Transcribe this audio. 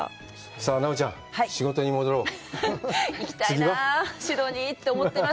さあ奈緒ちゃん、仕事に戻ろう。